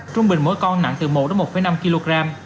trung bình mỗi con nặng từ một đến một năm kg